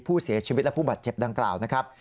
ผู้เสียชีวิตและผู้บาดเจ็บดังกล่าวนะครับ